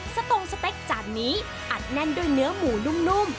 สตงสเต็กจานนี้อัดแน่นด้วยเนื้อหมูนุ่ม